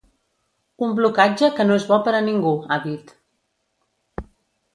Un blocatge que no és bo per a ningú, ha dit.